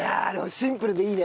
シンプルでいいね！